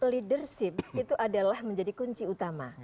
leadership itu adalah menjadi kunci utama